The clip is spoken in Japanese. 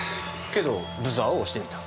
けどブザーを押してみた。